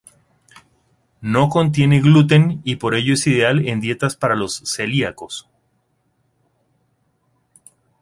No contiene gluten y por ello es ideal en dietas para los celíacos.